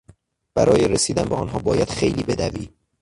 برای رسیدن به آنها باید خیلی بدوی.